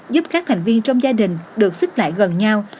giúp các thành viên trong gia đình được xích lại gần nhau